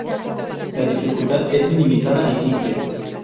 La dificultad es minimizada y simple.